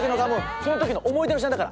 そのときの思い出の品だから。